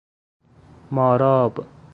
ماراب